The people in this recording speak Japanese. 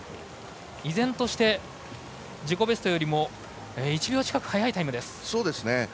依然として自己ベストよりも１秒近く速いタイムです。